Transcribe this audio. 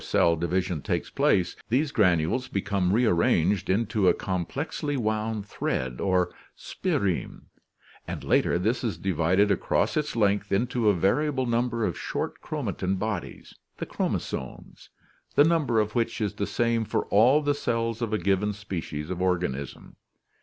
Just before cell division takes place, these granules become re arranged into a complexly wound thread or spireme, and later this is divided across its length into a variable number of short chromatin bodies, the chromosomes, the number of which is the same for all the cells of a given species of organism.